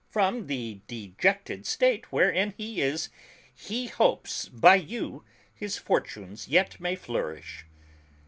"From the dejected state wherein he is, he hopes by you his fortunes yet may flourish."